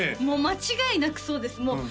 もう間違いなくそうです